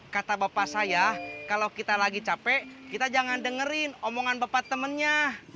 kata bapak saya kalau kita lagi capek kita jangan dengerin omongan bapak temennya